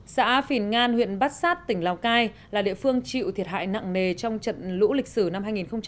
xã phìn ngan huyện bát sát tỉnh lào cai là địa phương chịu thiệt hại nặng nề trong trận lũ lịch sử năm hai nghìn một mươi